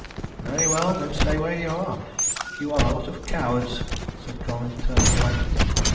"Very well, then stay where you are. You are a lot of cowards," said Colwyn, turning away.